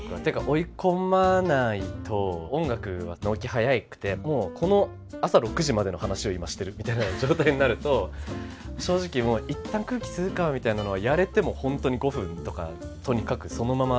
追い込まないと音楽は納期早くてもうこの朝６時までの話を今してるみたいな状態になると正直もういったん空気を吸うかみたいなのはやれてもほんとに５分とかとにかくそのまま